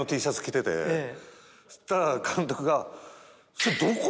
そしたら監督が「それ」。